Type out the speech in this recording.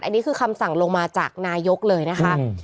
อันนี้คือคำสั่งลงมาจากนายกเลยนะคะ